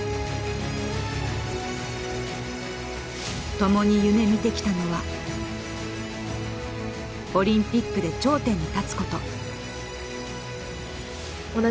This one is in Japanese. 共に夢みてきたのはオリンピックで頂点に立つこと。